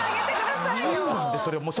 自由なんでそれはもう。